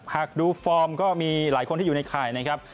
หากดูฟอร์มก็มีหลายคนที่อยู่ในข่ายนะครับ